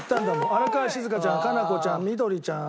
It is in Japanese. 荒川静香ちゃん佳菜子ちゃんみどりちゃん。